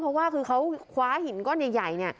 เพราะว่าคือเขาคว้าหินก้อนใหญ่เนี่ย